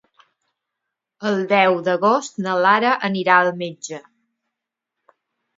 El deu d'agost na Lara anirà al metge.